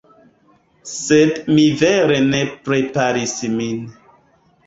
Sed mi vere ne preparis min